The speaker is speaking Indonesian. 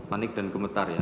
panik dan gemetar ya